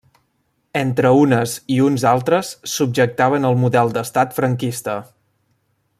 Entre unes i uns altres subjectaven el model d'estat franquista.